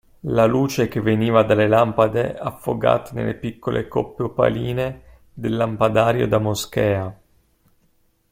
La luce che veniva dalle lampade affogate nelle piccole coppe opaline del lampadario da moschea.